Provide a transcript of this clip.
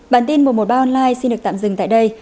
bản tin một trăm một mươi ba online xin được tạm dừng tại đây